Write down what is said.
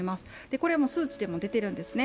これは数値でも出てるんですよね。